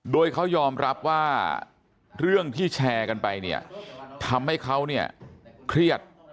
โดยเขายอมรับว่าเรื่องที่แชร์กันไปเนี่ยทำให้เขาเนี่ยเครียด